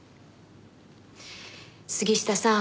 杉下さん